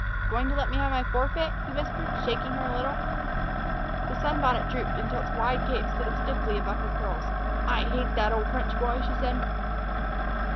"Going to let me have my forfeit?" he whispered, shaking her a little. The sunbonnet drooped until its wide cape stood up stiffly above her curls. "I hate that old French boy," she said.